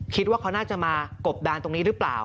คิดว่าเขาน่าจะมากบดานตรงนี้หรือเปล่า